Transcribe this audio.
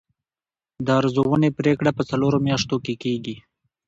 د ارزونې پریکړه په څلورو میاشتو کې کیږي.